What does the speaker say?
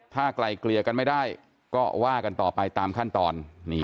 ถ้าไกลเกลี่ยกันไม่ได้ก็ว่ากันต่อไปตามขั้นตอน